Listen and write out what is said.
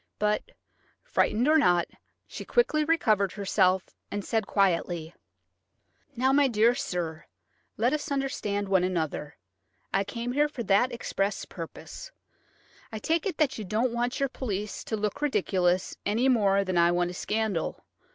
But, frightened or not, she quickly recovered herself, and said quietly: "Now, my dear sir, let us understand one another. I came here for that express purpose. I take it that you don't want your police to look ridiculous any more than I want a scandal.